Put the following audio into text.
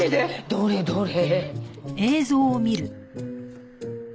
どれどれ？